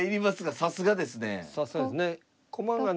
さすがですね。